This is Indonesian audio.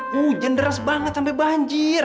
hujan deras banget sampai banjir